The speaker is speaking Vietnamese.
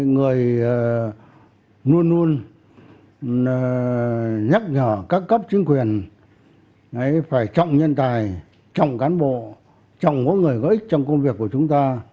người luôn luôn nhắc nhở các cấp chính quyền phải trọng nhân tài trọng cán bộ trong mỗi người có ích trong công việc của chúng ta